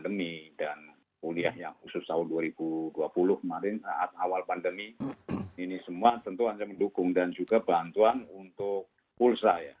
dan kuliah yang khusus tahun dua ribu dua puluh kemarin saat awal pandemi ini semua tentu saja mendukung dan juga bantuan untuk pulsa ya